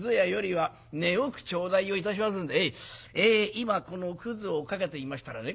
今このくずをかけていましたらね